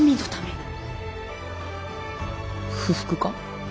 不服か？